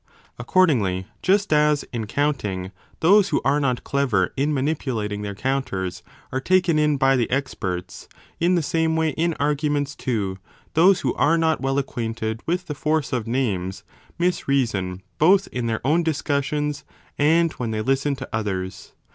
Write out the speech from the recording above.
Accordingly just as, in counting, those who are not clever in manipulating their counters are J 5 taken in by the experts, in the same way in arguments too those who are not well acquainted with the force of names misreason both in their own discussions and when they listen to others.